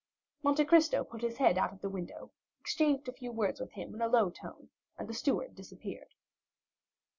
Monte Cristo put his head out of the window, exchanged a few words with him in a low tone, and the steward disappeared.